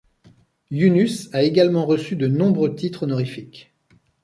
Yunus a également reçu de nombreux titres honorifiques.